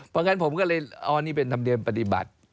เพราะงั้นผมก็เลยอ๋อนี่เป็นธรรมเนียมปฏิบัติ